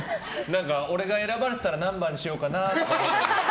何か、俺が選ばれてたら何番にしようかなとか。